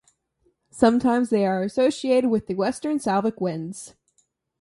Sometimes they are associated with the Western Slavic Wends.